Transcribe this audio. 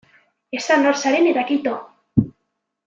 Esan nor zaren eta kito.